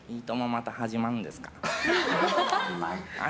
また始まるんですか？